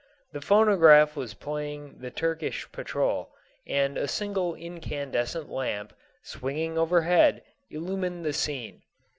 The phonograph was playing the "Turkish Patrol," and a single incandescent lamp, swinging overhead, illumined the scene.